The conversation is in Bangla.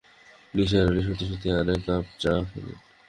নিসার আলি সত্যি-সত্যি আরেক কাপ চা খেলেন।